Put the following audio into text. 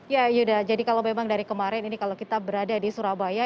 ya yuda jadi kalau memang dari kemarin ini kalau kita berada di surabaya